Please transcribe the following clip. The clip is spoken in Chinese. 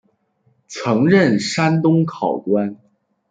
曾任山东考官。